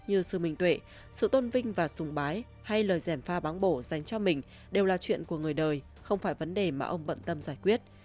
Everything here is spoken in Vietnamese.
những người đang một lòng thoát như sư minh tuệ sự tôn vinh và dùng bái hay lời giảm pha báng bổ dành cho mình đều là chuyện của người đời không phải vấn đề mà ông bận tâm giải quyết